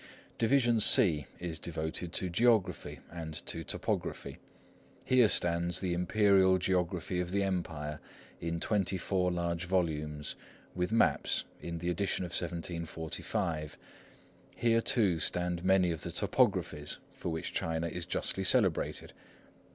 Division C is devoted to Geography and to Topography. Here stands the Imperial Geography of the Empire, in twenty four large volumes, with maps, in the edition of 1745. Here, too, stand many of the Topographies for which China is justly celebrated.